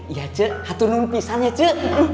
iya ce hatu numpisan ya ce